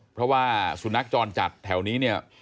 เพราะว่าสุนัขจรจัดแถวนี้